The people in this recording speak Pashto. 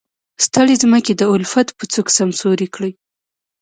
ستړې ځمکې د الفت به څوک سمسورې کړي.